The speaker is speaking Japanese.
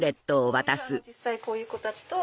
実際こういう子たちと。